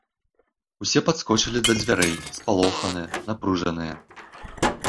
Усе падскочылі да дзвярэй, спалоханыя, напружаныя.